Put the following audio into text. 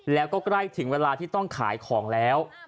แล้วก็ใกล้ถึงเวลาที่ต้องขายของแล้ว